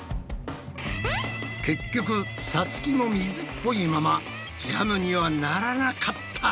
結局さつきも水っぽいままジャムにはならなかった。